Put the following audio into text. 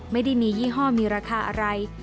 ไม่ได้มียี่ห้อมีราคาอะไร